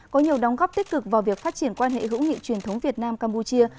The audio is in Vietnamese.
có nhiều đóng góp tích cực vào việc phát triển quan hệ hữu nghị truyền thống việt nam campuchia